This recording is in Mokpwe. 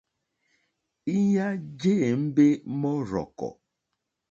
Íɲá jé ěmbé mɔ́rzɔ̀kɔ̀.